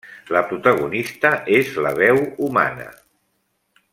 La protagonista és la veu humana.